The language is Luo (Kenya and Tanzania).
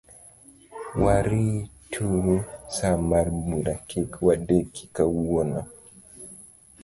Warituru sa mar bura, kik wadeki kawuono.